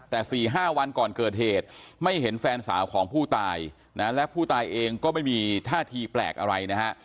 แต่๔๕วันก่อนเกิดเหตุไม่เห็นแฟนสาวของผู้ตายนะและผู้ตายเองก็ไม่มีท่าทีแปลกอะไรนะฮะ